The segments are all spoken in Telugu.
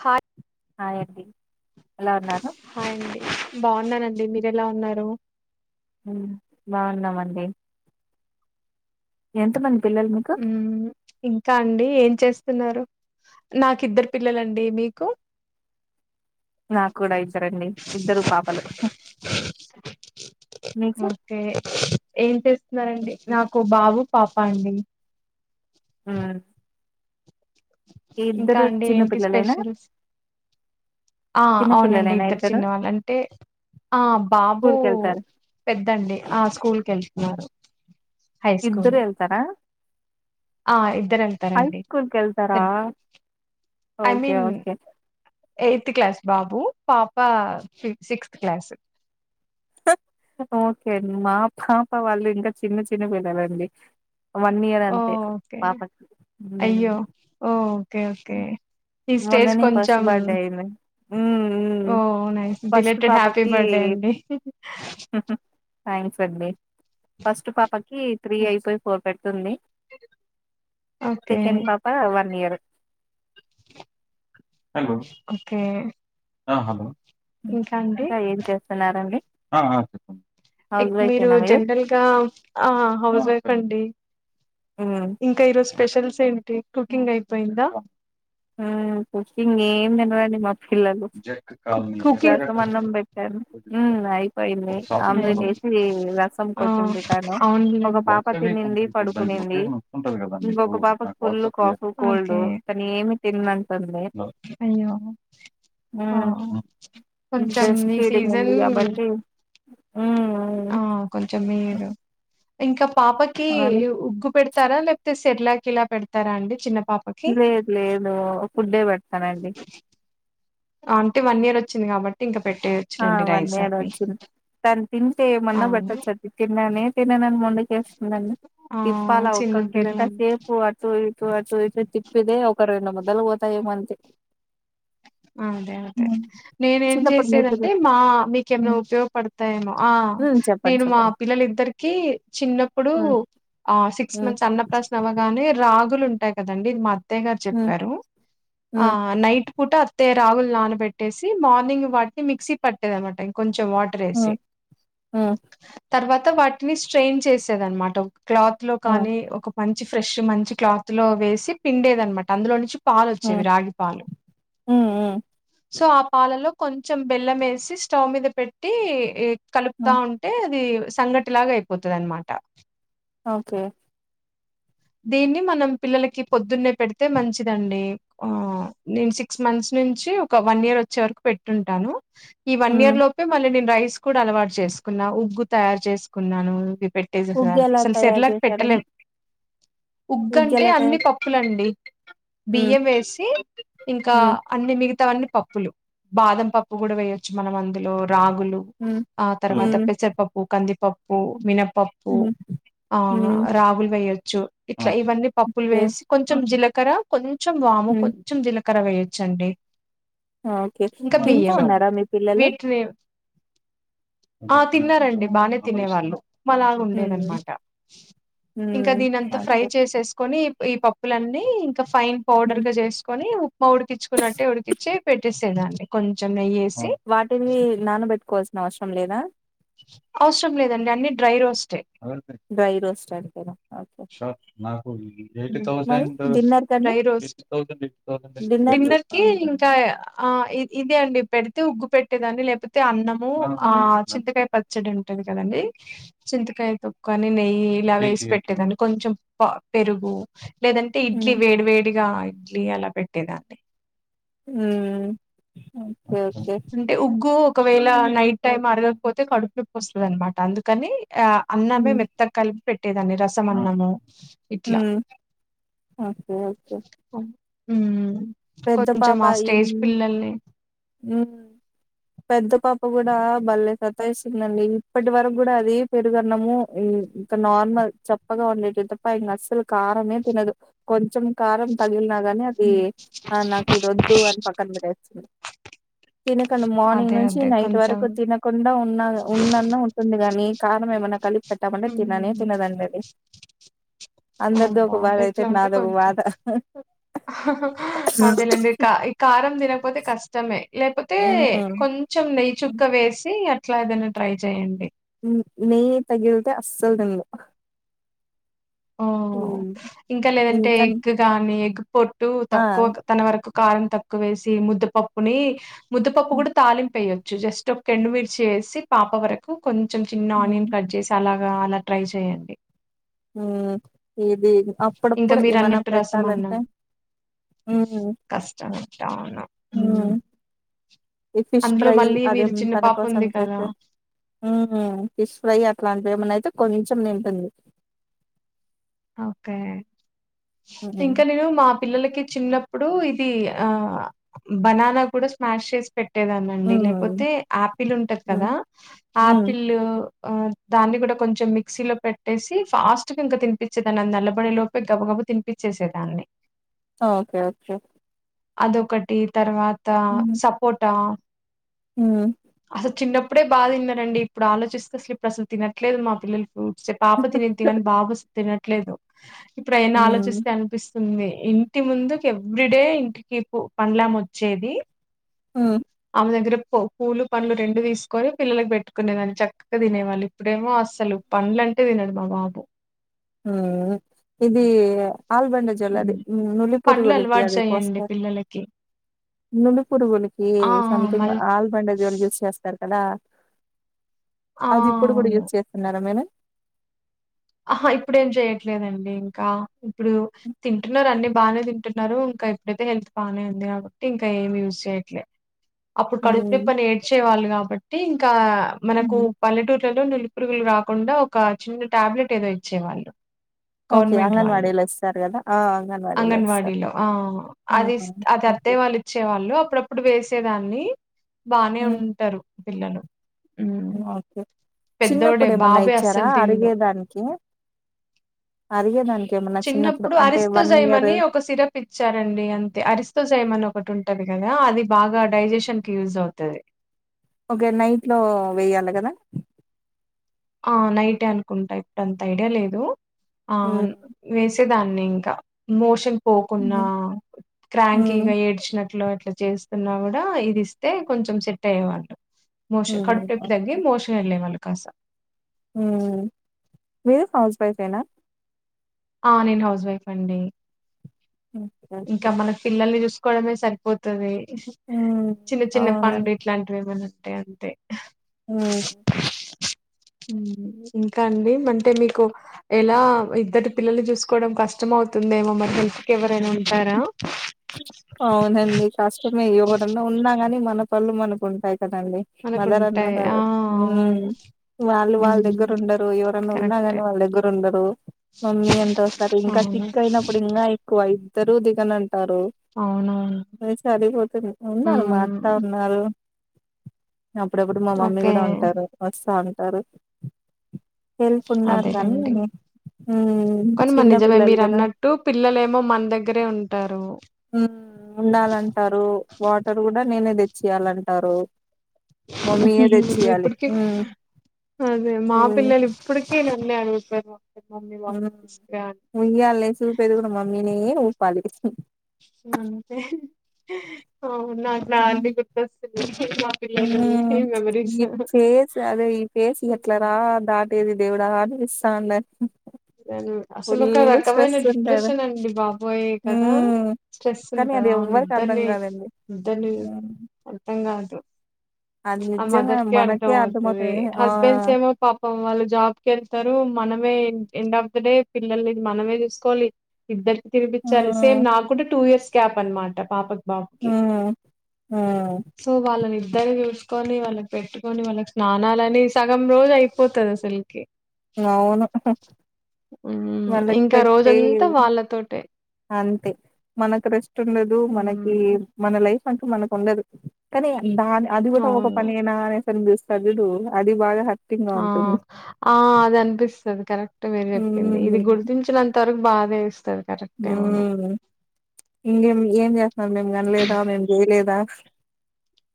హయ్ అవనండి హాయ్ అండి బాగున్నానండి మీర్ ఎలా ఉన్నారు బాగున్నామండి ఎంతమం పిల్లలు మీకు కాండి ఏం చేస్తున్నారు నాకు ఇద్దరు పిల్లలండి మీకు నాకు కూడా ఇద్దరండి ఇద్దరు పాపలు మీకు ఓకే ఏం చేస్తున్నారండి నాకు బాబు పాపా అండి ఆ ఇంకా అండి చిన్న ఏంటి పిల్లలేనా స్పెషల్స్, ఆ చిన్న అవునండి పిల్లలేనా ఇద్దరు చిన్నవాళ్ళు అంటే ఆ బాబు స్కూల్ కి వెళ్తారు పెద్దండి ఆ స్కూల్ కి వెళ్తున్నారు. హై ఇద్దరు స్కూల్ వెళ్తారా ఆ ఇద్దరు హై వెళ్తారండి స్కూల్ కి వెళ్తారా ఐ ఓకే మీన్ ఓకే యత్ క్లాస్ బాబు పాపా సిక్స్త్ క్లాస్ ఓకే అండి మా పాప వాళ్ళు ఇంకా చిన్న చిన్న పిల్లాలండి ఓఓకే మ్మ్ అయ్యో ఓ ఓకే ఓకే ఈ స్టేజ్ మొన్ననే ఫస్ట్ కొంచెం బర్త్డే అయింది మ్మ్ మ్మ్ ఓ నైస్ ఫస్ట్ బిలేటెడ్ హ్యాపీ పాపకి బర్త్డే అండి థ్యాంక్స్ అండి ఫస్ట్ పాపకి త్రీ అయిపోయి ఫోర్ పెట్ తుంది ఓకే సెకెండ్ పాపా వన్ ఇయరు హలో ఆ హలో ఇంకా అండి ఏం చేస్తున్నారండి హౌస్ మీరు వైఫేనా జనరల్గా ఆ హౌస్ వైఫ్ అండి ఉమ్ ఇంక ఈరోజు స్పెషల్స్ ఏంటి కుకింగ్ అయిపోయిందా? హ్మ్ కుకింగ్ ఏం తినరండి మ పిల్లలు కుకింగ్ రసం అన్నం పెట్టాను హ్మ్ అయిపోయింది ఆమ్లెట్ అయ్యో! వేసి రసం ఆ కొంచెం పెట్టాను ఒక అవునులేండి పాప తినింది పడుకునింది ఇంకొక పాప ఫుల్ కాఫ్ కోల్డ్ ఓకే తనేమి అయ్యో ఆ హ్మ్ కొంచెం ఈ సీజన్ హ్మ్ ఆ కొంచెం మీరు ఇంకా పాపకి అవును ఉగ్గు పెడి తారా లేకపోతే సెరిలాక్ ఇలా పెడతారా అండి చిన్న పాపకి? లేదు లేదు ఫుడ్డే పెడతానండి అంటే వన్ ఇయర్ వచ్చింది కాబట్టి ఇంక ఆ వన్ ఏడ వచ్చింది తాను తింటే మళ్ళ అవును. పెట్టొచ్చది తిననే తిననని మొండి ఎస్ ఆ! తిప్పాల చిన్న ఒక్క గంట పిల్లలం సేపు అటు ఇ చూ చూ ఇ తిప్పితే ఒక రెండు ముద్దలు పోతాయోమో అంతే అదే అదే నేనేం చిన్నప్పుడు మీ చేసేద పిల్ల అంటే మా మీకేమన్నో ఉపయోగపడతాయేమో ఆ ఉమ్ చెప్పండి నేను మా చెప్పండి పిల్లలు ఇద్దరికీ చిన్నప్పుడు ఆ సిక్స్ ఉమ్ మంత్స్ అన్నప్రాసన అవ్వగానే రొ రాగులు ఉంటాయి కదండి ఇది మా అత్తయ్య గారు ఉమ్ చెప్పారు ఆ ఉమ్ నైట్ పూట అత్తయ్య రాగులు నానబెట్టేసి మార్నింగ్ వాటిని మిక్సీ పట్టేదన్నమాట ఇంకొ చెం వాటరేసి ఉమ్ ఉమ్ తర్వా త వాటిని స్ట్రెయిన్ చేసేదన్నమాట క్లాత్ లో ఉమ్ కానీ ఒక మం చి ఫ్రెష్ మంచి క్లాత్ లో వేసి పిండేది అన్నమాట అందులో నుంచి పాలు వచ్చేవి రాగి పాలు మ్మ్ మ్మ్ సో ఆ పాలలో కొంచెం బెల్లం వేసి స్టవ్ మీద పెట్టి కలుపుతా ఉమ్ ఉంటే అది సంగటిలాగా అయిపోతుందన్నామాట ఓకే దీన్ని మనం పిల్లలకి పొద్దున్నే పెడితే మంచిదండి. ఆ నేను సిక్స్ మంత్స్ నుంచి ఒక వన్ ఇయర్ వచ్చే వరకు పెట్టుంటాను. ఈ వన్ ఉమ్ ఇయర్ లోపే మళ్ళీ నేను రైస్ స్కూడా అలవాటు చేసుకున్నా ఉగ్గు తయారు చేసుకున్నాను. పెట్టేది రాదు ఉగ్గెలా [unintelligible] తయారు సెర్లాక్ చేశారండి పెట్టలేం ఉగ్ అంటే ఉగ్గెలా అన్ని తయారు పప్పులం అండి ఉమ్ బియ్యం వేసి ఇంకా ఉమ్ అన్ని మిగత్ మిగతావన్ని పప్పులు బాదం పప్పు కూడా వేయొచ్చు మనం అందులో రాగులు ఉమ్ ఆ తర్వాత ఉమ్ పెసరపప్పు కందిపప్పు ఓ మినప్ పప్పు ఉమ్ ఆ ఉమ్ రాగులు వెయ్ చ్చో ఇవన్నీ పప్పులు ఓకే వేసి కొంచెం జీలక్ క్కరా కొం కొంచం వాము ఉమ్ కొంచం జిలకర్ర వెయొ చండి ఓకే తింటూ ఉన్నారా మీ పిల్లలు వీటిని ఆ తిన్నారండి బానే తినేవాళ్ళు మాలాగా హ్మ్ ఉండేదనమాట ఇంకా ఇంక హ్మ్ దీనింతా ఫ్రై ఓకే చేసేసుకొని ఈ పప్పులన్నీ ఇంకా పైన్ పౌడర్ హ్మ్ గా చేసుకొని ఉప్ మా ఉడికించుకున్నట్టే ఉడికిచ్చి పెట్టేసే దాన్ని కొంచెం నెయ్యేస్ వాటిని నాన్బెట్టుకోవాల్సి నా అవసరం లేదా అవసరం లేదండి అన్ని డ్రై రోస్టే డ్రై రోస్ట్ అన్ [unintelligible] సర్ నా మ్మ్ ఎయిటీన్ థౌసండ్ మళ్ళీ అయింది డిన్నర్ కండి కదా డిన్నర్‌కి ఇంకా ఆ ఇ ఇదే అండి పెడితే ఉగ్గు పెట్టేదాన్ని లేకపోతే అన్నము ఆ చింతకాయ పచ్చడి ఉంటది కదండి చింతకాయ తొక్కు అని నెయ్యి ఇలా వేసి పెట్టేదాన్ని కొంచెం పెరుగు లేదంటే ఇడ్లీ హ్మ్ వేడి వేడిగా ఇడ్లీ అలా పెట్టేదాన్ని మ్మ్ అంటే ఉగ్గూ ఒకవేళ నైట్ టైమ్ అరగకపోతే కడుపునొప్పి వస్తుంది అనమాట అందుకని ఆ అన్నమే హ్మ్ మెత్త గా కలిపి పెట్ ట్టే దాన్ని రసమన్నము మ్మ్ ఓకే ఓకే మ్మ్ పెద్ద కొంచెం ఆ స్టేజ్ పిల్లల్ని మ్మ్ పెద్ద పాప కూడా భల్లేె సతాయిస్తుందండి ఇప్పటి వరకు కూడా అది పెరుగన్నము ఇంక నార్మల్ చప్పగా ఉండేటివి తప్ప ఇంక అస్సలు కారమే తినదు కొంచెం కారం తగిలిన గానే అది ఆ నాకు ఇది వద్దు అని పక్కన పెట్టేచ్చది తినకండా మార్నింగ్ అదే నుంచి అదే నైట్ కొంచెం వరకు తినకుండా ఉన్నా ఉన్నాన్న ఉంటుంది కాని కారమేమన్నా కలిపి పెట్టామంటే తిననే తినదండి అది అందరిది ఒక అబ్బా బాధ ఎట్ల అయితే ఉంటే నాదొక కొంచెం బాధ అదేలేండి ఈ కారం తినకపోతే కష్టమే లేకపోతే ఉమ్ కొంచెం నెయి చుక్క వేసి అట్లా ఏదైనా ట్రై చేయండి నెయ్యి తగిలితే అస్సల్ తిందు ఓ ఇంకా లేదంటే ఎగ్ కాని ఎగ్ పో టు ఆ తక్కువ తన వరకు కారం తక్కువేసి ముద్దపప్పుని ముద్దపప్పు కూడా తాలింపు ఎయ్యొ జస్ట్ ఒక ఎండు మిర్చి వేసి పాప వరకు కొం చెం చిన్న ఆనియన్ కట్ చేసి అలా అలా ట్రై చేయండి మ్మ్ [inaudible] ఇది ఇంకా అప్పుడప్పుడు మీరు ఏమన్నా అన్నట్టు రసం అన్నం పెట్టాలంటే హ్మ్ కష్టం అవును మ్మ్ హ్మ్. ఈ ఫిష్ అందులో ఫ్రై మళ్ళీ అదే మీరు నిను చిన్న తన పాప కోసం ఉంది కదా చేస్తే ఊ ఫిష్ ఫ్రై అట్లాంటిది ఏమన్నా అయితే కొంచెం తింటుంది ఓకే ఇంకా ఉమ్ నేను మా పిల్లలకి చిన్నప్పుడు ఇది ఆ బనానా కూడా స్మాష్ చేసి పెటే పేట్టేదానండి లేకపోతే ఆపిల్ ఉంటది ఉమ్ కదా హ్మ్. ఆపిల్ ఆ దాన్ని కూడా కొంచెం మిక్సీ లో పెట్టేసి ఫాస్ట్ గా ఇంకా తి తినిపించేదాన్ని అది నల్లబడి లోపు గబగబ తినిపించేసేదాన్ని ఓకే ఓకే అదొకటి తర్వాత్ త హ్మ్. సపోటా హ్మ్. అసలు చిన్నప్ప ఇప్పుడే బాగా తిన్నారండి ఇప్పుడు ఆలోచస్తే అసలు ఇప్పు [unintelligible] డు అసలు తినట్లేదు మా పిల్లలు ఊ పాప తిని తినాన్ ది బాబు స్ తినట్లేదు ఇప్పుడు ఆయన్ని హ్మ్. ఆలోచిస్తే అనిపిస్తు ఉంది ఇంటి ముందుకు ఎవరీ డే కిప్పు పండ్లు ఆమె వచ్చేది ఆ ఆమె దగ్గర పూలు పండ్లు రెండు తీసుకొని, పిల్లలకు పెట్టుకునే దాన్ని చక్కగా తినేవాళ్ళు ఇప్పుడేమో అసలు పండ్లు అంటే తినడు మా బాబు మ్మ్ ఇది గా ఆల్బండ జెల్ అది హ్మ్. నులి పండ్లు పురుగులకి అలవాటు అది చేయండి పోస్తారు పిల్లలకి. నులి పురుగులకి ఆ ఆ సంథింగ్ మల్ ఆల్బండ జెల్ యూజ్ చేస్తారు ఎలా ఆ అది ఇప్పుడు కూడా అవును. యూజ్ చేస్తున్నారా మీరు అహ ఇప్పుడు ఏం చెయట్లేదండి ఇంకా ఇప్పుడు తింటున్నారు అన్ని బాగానే తింటున్నారు ఇంకా ఇప్పుడైతే హెల్త్ బాగానే ఉంది కాబట్టి ఇంకా ఏమి యూస్ చెయ్యట్లే అప్పుడు కడుపు హ్మ్. నొప్పి అని ఏడ్చేవాళ్ళు కాబట్ అంటే ఇంకా మనకు హ్మ్. పల్లెటూరు లో నులి పురుగులు రాకుండా ఒక చిన్న టాబ్లెట్ ఏదో ఇచ్చేవాళ్ళు ఓకే గవర్నమెంట్ వాళ్ళు. అంగన్వాడీలా ఇస్తారు గదా అంగన్వాడీలో ఆ అదిస్ హ్మ్. అది అత్తే ఓకే. వాళ్ళు ఇచ్చే వాళ్ళు అప్పుడప్పుడు వేసేదాన్ని బానే హ్మ్. ఉంటారు పిల్లలు హ్మ్. ఓకే చిన్నప్పుడు పెద్దోడే ఏమన్నా బాబే ఇచ్చారా అస్సలు తినడు. అరిగేదానికి అరిగేదానికి చిన్నప్పుడు అరిస్తో జేమని ఒక సిరప్ ఇచ్చారండి అంతే అరిస్తో జేమని అని ఒకటి ఉంటుం ఉంటది కదా అది బాగా డైజెషన్ కి యూజ్ అవుతది ఓకే నైట్ లో వెేయాలి కదా ఆ నైటే అనుకుంటా ఇప్పుడు అంత ఐడియా లేదు ఆ మ్ హ్మ్. వేసి ఇగ దాన్ని ఇంకా మోషన్ హ్మ్ పోకున్నా హ్మ్. క్రాంకీగా ఏడ్చినట్లు అట్ల ఇ చేస్తున్నా కూడా ఇది ఇస్తే కొంచెం సెట్ అయ్యేవాళ్ళం మోషన్ హ్మ్. కడుపునొప్పి తగ్గి ఓకే. మోషన్ వేళ్ళె వాళ్ళు కసా హ్మ్ మీరు హౌస్ వైఫేనా ఆ నేను హౌస్ వైఫ్ అండి ఓకే. ఇంకా ఓకే. మన పిల్లల్ని చూస్త కొడమే సరిపోతాది హ్మ్. చిన్న చిన్న పంలు ఇట్లాంటివి ఏమనా అంటే అంతే హ ఇంకా అండి అంటే మీకు ఎలా ఇద్దరి పిల్లలు చూసుకోవడం కష్టం అవుతుందేమో మరి హెల్ప్ కి ఎవరైనా ఉ తారా అవునండి కాష్టమే ఎవరన్నా ఉన్నా కాని మన మన పల్లు మనకుంటయి కదండి మనకు మదర్ అన్న ఉంటాయి ఆ వాళ్ళు ఉమ్ అవును వాళ్ళు వాళ్ళ దగ్గర హ్మ్. ఉండరు ఎవరన్నా ఉన్నా కరెక్టే కాని వాళ్ళ దగ్గర ఉండరు మమ్మీ అంటోస్తారు ఇంకా అవును సిక్ అయినప్పుడు ఇంగా ఎక్కువ తరు దిగనన్ టరు అవునవును లేద్ సరిపోతది ఉన్నారు మా అత్త హ్మ్. ఉన్నారు అప్పుడప్పుడు మా మమ్మీ ఓకే కూడా ఉంటారు వస్తాను టారు అదేనండి ఉమ్ కానీ మ చిన్న నిజమే పిల్లలు మీరు కదా అన్నట్టు పిల్లలు ఏమో మన దగ్గరే ఉంటారు ఉమ్ ఉండాలంటారు వాటర్ కూడా నేనే తెచ్చియ్యాలంటారు హుహూ ఇప్పుడికి ఉమ్ అదే మా ఉమ్ పిల్లలు ఇప్పుడికి అ నమ్ే అగుత [unintelligible] ఉమ్ ఉయ్యాలేసి ఊపేది కూడా మమ్మినే పోయి పాలు ఇంగంతె మ్ మా పిల్లలన్ని మ్మ్ మెమరీస్ ఈ ఫేస్ అదే ఈ ఫేస్ ఎట్లరా దాటేది? దేవుడా అనిపిస్తాండ. అసలు ఒక ఫుల్ రకమైన స్ట్రెస్ ఉంటది డిప్రెషన్ అండి బాబోయ్ కదా! ఉమ్ స్ట్రెస్ కానీ అది ఉంటదా ఎవ్వరికి నిద్దర్ అర్థం లె కాదండి ఇద్దర్ని ఉమ్ అర్థం కాదు. అది ఆ నిజంగా మదర్ కి అర్థం మనకే అవుతది అర్థమవుతాది ఆ హస్బెండ్స్ ఏమో పాపం వాళ్ళు జాబ్ కెళ్తారు మనమే ఎండ్ ఆఫ్ ద డే పిల్లల్నిది మనమే చూసుకోవాలి ఇద్దర్ తిరిపించాలి సేమ్ ఉమ్ నాక్కూడ టూ ఇయర్స్ గ్యాప్ అన్మాట పాపక్ బాబుకి ఉమ్ ఉమ్ సో వాళ్ళనిద్దరి చూస్ కొని వాళ్ళకి పెట్టుకొని వాళ్ళకి స్నానాలని సగం రోజు అయిపోతది అస్సల్ కి ఇంగవును మ్మ్ ఇంక రోజంతా వాళ్ళతోట్ టె అంతే మనక్కూడ ట్టుండదు మనకీ మ్మ్ మన లైఫ్ హక్కు మనకుండదు కానీ, బాంది అది కూడ ఒక అవును పనేనా అనేసి సరింగ చూస్తాడు చూడు అది బాగా హర్ ఆ ఆ అదనిపిస్తది కరెక్ ట్ మీరు చెప్పింది ఇది మ్మ్ గుర్తించినన్ తరుకు బాదేస్తది. మ్మ్ము ఇంకేం ఏం చేస్తున్నార్ మేం కనలేదా? మేం చేయలేదా?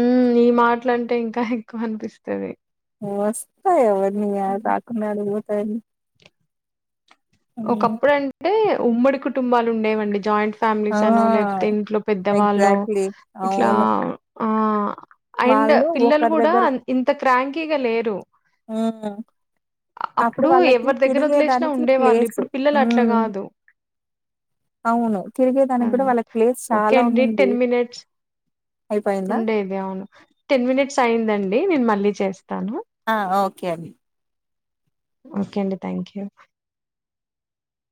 ఉ ఈ మాటలంటే ఇంకా ఎక్కువ అనిపిస్తది. వస్తాయవ నేయా పాకున్న నిదురొత్తదని ఒకప్పుడంటే ఉమ్మడి కుటుంబాలు ఉండేవండి జాయింట్ ఆ ఫ్యామిలీస్ అనో లేకపోతే ఇంట్లో పెద్దవాల్లో ఎగ్జాక్ట్లీ ఇట్లా అవును ఆ అండ్ వాళ్ళు పిల్లలు ఒకరి కూడా దగ్గర అన్ ఇంత క్రాంకీగా లేరు మ్మ్ అప్పుడు వాళ్ళకి ఎవరి దగ్గర వదిలేసినా తిరిగేదానికి ఉండేవాళ్ళు. ఇప్ ప్లేస్ మ్మ్ అవును తిరిగేదానికి గూడా అవును వాళ్ళకి ప్లేస్ ఓకె చాలా అండి ఉండింది. టెన్ మినిట్స్ అయిపోయిందా? ఉండేద అవును టెన్ మినిట్స్ అయిందండి నేను మళ్ళీ చేస్తాను. ఆ ఓకే అండి ఓకే అండి థ్యాంక్ యూ